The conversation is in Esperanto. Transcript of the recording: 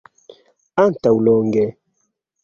Antaŭ longe.